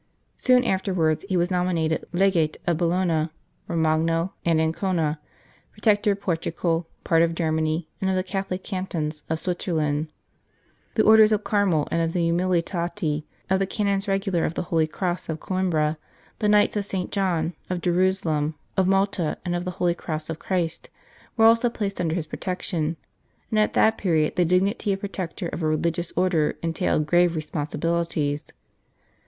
Soon afterwards he was nominated Legate of Bologna, Romagno, and Ancona, Protector of Portugal, part of Germany, and of the Catholic cantons of Switzerland. 13 St. Charles Borromeo The Orders of Carmel and of the Umiliati, of the Canons Regular of the Holy Cross of Coimbra, the Knights of St. John of Jerusalem, of Malta, and of the Holy Cross of Christ, were also placed under his protection, and at that period the dignity of Protector of a religious Order entailed grave responsibilities.